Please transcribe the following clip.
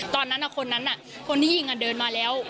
ตอนนั้นน่ะคนนั้นน่ะคนที่ยิงอ่ะเดินมาแล้ว